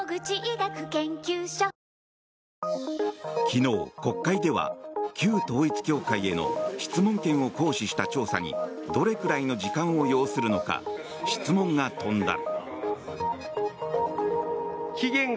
昨日、国会では旧統一教会への質問権を行使した調査にどれくらいの時間を要するのか質問が飛んだ。